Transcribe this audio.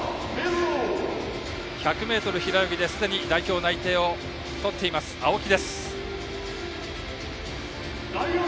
１００ｍ平泳ぎですでに代表内定をとっている青木。